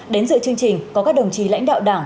đến dự chương trình có các đồng chí lãnh đạo đảng